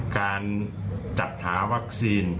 การจัดหาวัคซีจนไปละรอก๔